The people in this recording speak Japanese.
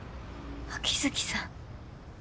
秋月さん。